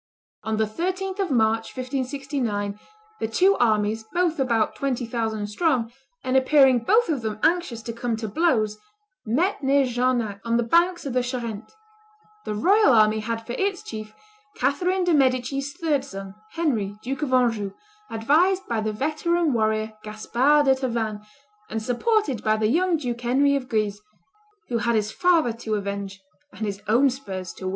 On the 13th of March, 1569, the two armies, both about twenty thousand strong, and appearing both of them anxious to come to blows, met near Jarnac, on the banks of the Charente; the royal army had for its chief Catherine de' Medici's third son, Henry, Duke of Anjou, advised by the veteran warrior Gaspard de Tavannes, and supported by the young Duke Henry of Guise, who had his father to avenge and his own spurs to win.